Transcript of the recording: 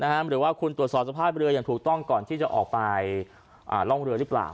หรือว่าคุณตรวจสอบสภาพเรืออย่างถูกต้องก่อนที่จะออกไปร่องเรือหรือเปล่า